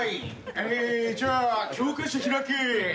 えーじゃあ教科書開け」